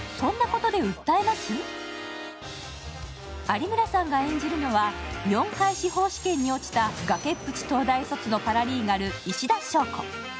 有村さんが演じるのは、４回司法試験に落ちた崖っぷち東大卒のパラリーガル、石田硝子。